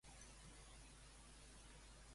Digue'm avui quin dia de la setmana és.